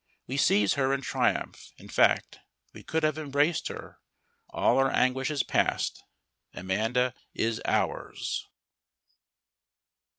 We seize her in triumph; in fact, we could have embraced her. All our anguish is past. Amanda is ours!